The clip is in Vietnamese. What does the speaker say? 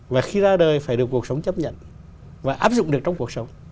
và khi ra đời phải được cuộc sống chấp nhận và áp dụng được trong cuộc sống